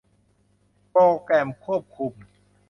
โปรแกรมควบคุม